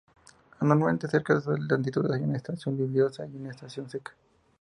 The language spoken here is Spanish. Anualmente, cerca de esas latitudes hay una estación lluviosa y una estación seca.